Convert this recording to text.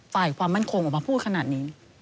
ฝ่ายความมั่นคงออกมาพูดขนาดนี้